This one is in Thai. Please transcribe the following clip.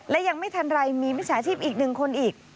และยังไม่ทันไรมีมีชาชีพอีก๑คนอีก